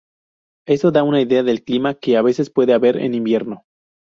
Esto da una idea del clima que a veces puede haber en invierno.